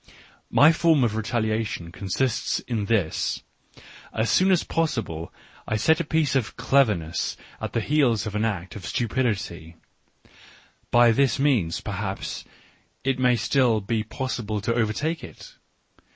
My form of retaliation consists in this : as soon as possible to set a piece of cleverness at the heels of an act of stupidity ; by this means perhaps it may still be possible to overtake it.